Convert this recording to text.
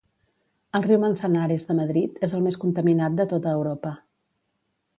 El riu Manzanares de Madrid és el més contaminat de tota Europa.